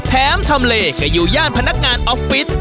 ทำเลก็อยู่ย่านพนักงานออฟฟิศ